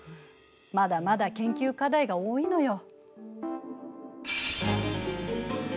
まだまだ研究課題が多いのよ。